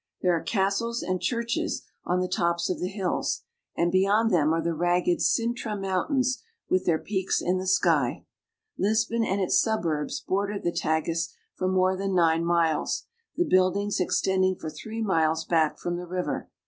There are castles and churches on the tops of the hills, and beyond them are the ragged Cintra Mountains, with their peaks in the sky. Lisbon and its suburbs border the Tagus for more than nine miles, the buildings extending for three miles back Lisbon. from the river.